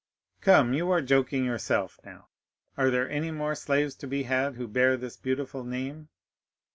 "Come; you are joking yourself now. Are there any more slaves to be had who bear this beautiful name?"